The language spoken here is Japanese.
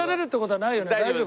大丈夫？